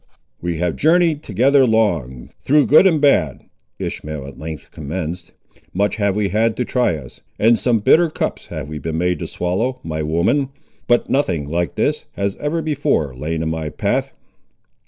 "We have journeyed together long, through good and bad," Ishmael at length commenced: "much have we had to try us, and some bitter cups have we been made to swallow, my woman; but nothing like this has ever before lain in my path."